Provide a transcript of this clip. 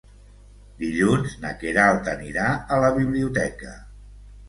Dilluns na Queralt anirà a la biblioteca.